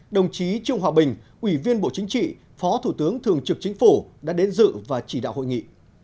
đồng chí trương hòa bình ủy viên bộ chính trị phó thủ tướng thường trực chính phủ đã đến dự và chỉ đạo hội nghị